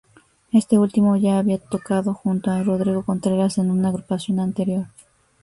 Este último ya había tocado junto a Rodrigo Contreras en una agrupación anterior.